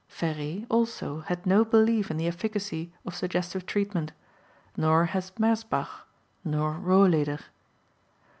Féré, also, had no belief in the efficacy of suggestive treatment, nor has Merzbach, nor Rohleder.